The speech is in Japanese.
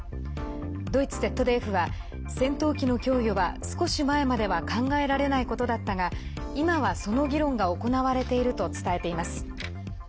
ドイツＺＤＦは戦闘機の供与は少し前までは考えられないことだったが今は、その議論が行われていると伝えています。